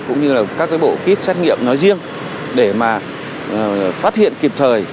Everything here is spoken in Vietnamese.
cũng như các bộ kít xét nghiệm nói riêng để mà phát hiện kịp thời